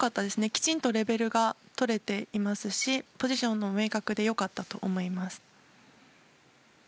きちんとレベルもとれていましたしポジションも明確で良かったです。